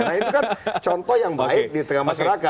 nah itu kan contoh yang baik di tengah masyarakat